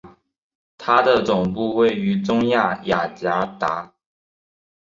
它的总部位于中亚雅加达。